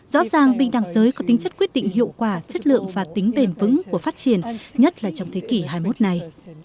rõ ràng bình đẳng giới có tính chất quyết định hiệu quả chất lượng và tính bền vững của phát triển nhất là trong thế kỷ hai mươi một này